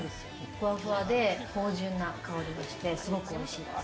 ふわふわで芳醇な香りがして、すごく美味しいです。